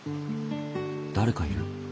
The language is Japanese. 誰かいる。